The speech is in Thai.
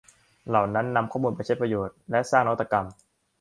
เหล่านั้นนำข้อมูลไปใช้ประโยชน์และสร้างนวัตกรรม